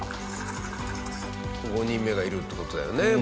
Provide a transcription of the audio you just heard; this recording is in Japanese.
５人目がいるって事だよね